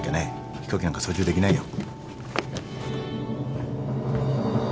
飛行機なんか操縦できないよ。